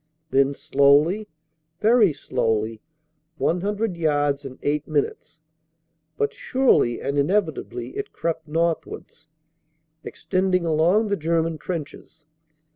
Then slowly, very slowly 100 yards in eight minutes but surely and inevitably it crept northwards, extending along the German trenches.